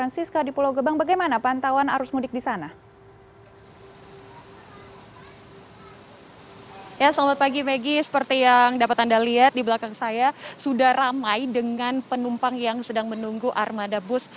selamat pagi maggie seperti yang dapat anda lihat di belakang saya sudah ramai dengan penumpang yang sedang menunggu armada bus